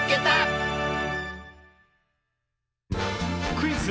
クイズ